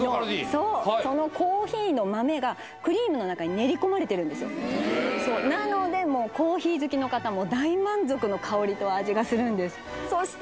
そうそのコーヒーの豆がクリームの中に練り込まれてるんですよなのでもうコーヒー好きの方も大満足の香りと味がするんですそして